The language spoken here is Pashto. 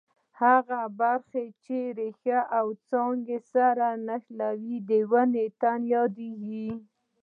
هغه برخه چې ریښې او څانګې سره نښلوي د ونې تنه یادیږي.